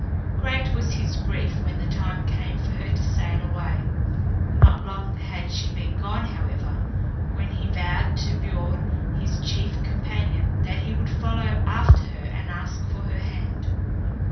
Great was his grief when the time came for her to sail away. Not long had she been gone, however, when he vowed to Björn, his chief companion, that he would follow after her and ask for her hand.